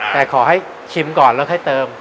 แต่ขอให้ชิมก่อนแล้วค่อยเติม